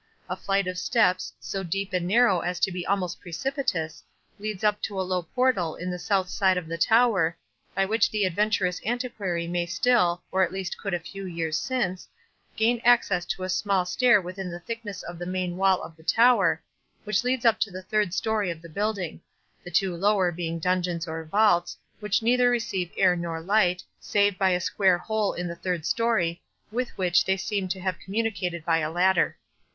A flight of steps, so deep and narrow as to be almost precipitous, leads up to a low portal in the south side of the tower, by which the adventurous antiquary may still, or at least could a few years since, gain access to a small stair within the thickness of the main wall of the tower, which leads up to the third story of the building,—the two lower being dungeons or vaults, which neither receive air nor light, save by a square hole in the third story, with which they seem to have communicated by a ladder.